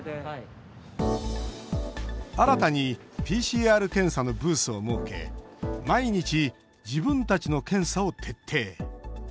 新たにＰＣＲ検査のブースを設け毎日、自分たちの検査を徹底。